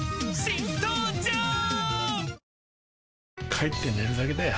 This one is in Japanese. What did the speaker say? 帰って寝るだけだよ